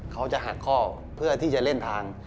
เขาจะหักข้อเพื่อที่จะเล่นทาง